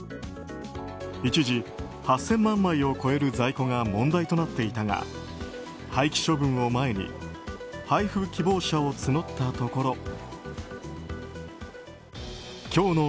一時、８０００万枚を超える在庫が問題となっていたが廃棄処分を前に配布希望者を募ったところ。